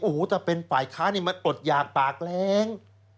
โอ้โหถ้าเป็นฝ่ายค้านี่มันอดหยากปากแรง